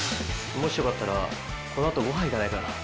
もしよかったらこのあとご飯行かないかな？